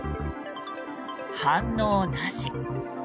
反応なし。